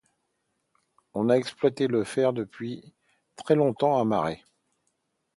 On a exploité le fer depuis très longtemps à Marey.